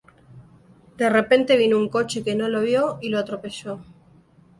De repente vino un coche, que no lo vio, y lo atropelló.